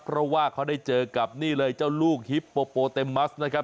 เพราะว่าเขาได้เจอกับนี่เลยเจ้าลูกฮิปโปโปเต็มมัสนะครับ